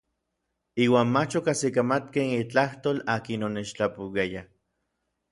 Iuan mach okajsikamatkej itlajtol akin onechtlapouiaya.